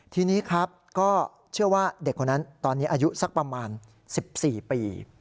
ทีนี้ครับก็เชื่อว่าเด็กคนนั้นตอนนี้อายุสักประมาณ๑๔ปี